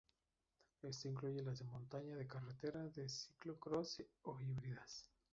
Esto incluye las de montaña, de carretera, de ciclo-cross o híbridas.